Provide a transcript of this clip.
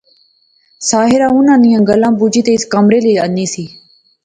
ساحرہ انیں نیاں گلاں بجی تے اس کمرے لے اینی سی